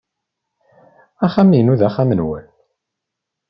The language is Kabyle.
Axxam-inu d axxam-nnem.